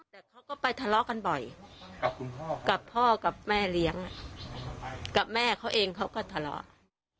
แต่เขาก็ไปทะเลาะกันบ่อยกับคุณพ่อกับพ่อกับแม่เลี้ยงกับแม่เขาเองเขาก็ทะเลาะ